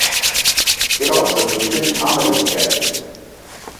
It also featured comedy sketches.